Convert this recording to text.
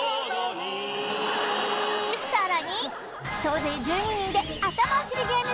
更に総勢１２人であたまおしりゲーム